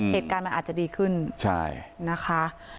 เหตุการณ์มันอาจจะดีขึ้นใช่นะคะ